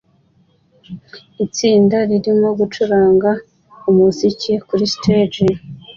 Itsinda ririmo gucuranga umuziki kuri stage